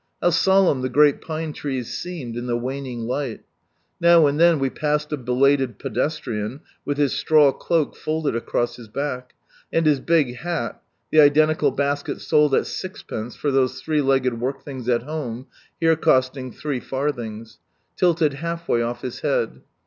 How solemn the great pine trees seemed in the waning light ! Now and then we passed a belated pedestrian with his straw cloak folded across his back, and his big hat (the identical basket sold at sixpence for those three legged work things at home, here costing three farthings) tilted half way off his head.